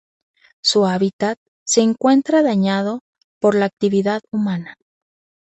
Su hábitat se encuentra dañado por la actividad humana.